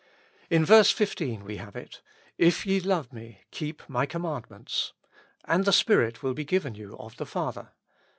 In verse 15 we have it: ''' If yeXov^ me keep my commandments^'''' and the Spirit will be given you of the Father.